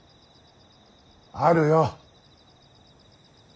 あるよ。